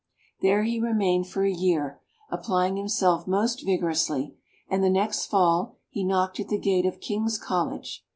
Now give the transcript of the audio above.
There he remained a year, applying himself most vigorously, and the next Fall he knocked at the gate of King's College.